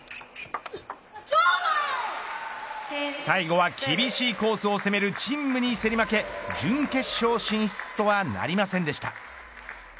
最後は厳しいコースを攻める陳夢に競り負け準決勝進出とはなりませんでした。